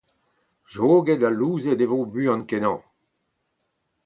Joget ha louzet e vo buan-kenañ.